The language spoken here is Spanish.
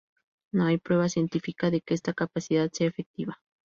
No hay prueba científica de que esta capacidad sea efectiva.